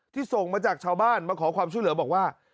ส่งมาจากชาวบ้านมาขอความช่วยเหลือบอกว่า